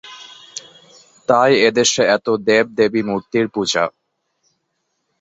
তাই এদেশে এত দেবদেবীমূর্তির পূজা।